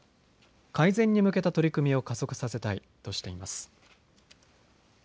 改善に向けた取り組みを加速させたいとしています。